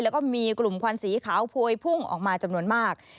แล้วก็มีกลุ่มควันสีขาวพวยพุ่งออกมาจำนวนมาก